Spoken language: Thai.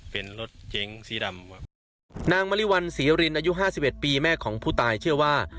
เป็นรถเก๋งสีดำนางมะลิวัลศรียะลินอายุ๕๑ปีแม่ของผู้ตายเชื่อว่า